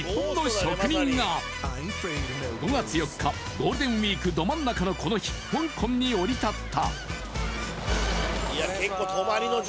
ゴールデンウイークど真ん中のこの日、香港に降り立った。